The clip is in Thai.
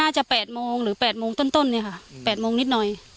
จะ๘โมงหรือ๘โมงต้นเนี่ยค่ะ๘โมงนิดหน่อย